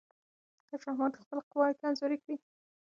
که شاه محمود خپلې قواوې کمزوري کړي، دښمن به بریالی شي.